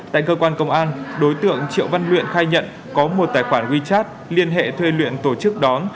tại cơ quan công an đối tượng triệu văn luyện khai nhận có một tài khoản wechat liên hệ thuê luyện tổ chức đón